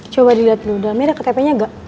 coba dilihat dulu dalemnya ada ktp nya nggak